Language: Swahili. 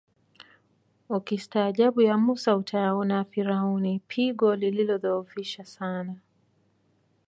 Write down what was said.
Ukistaajabu ya Mussa utayaona ya Firauni pigo lilidhoofisha sana